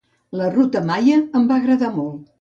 La ruta maia em va agradar molt.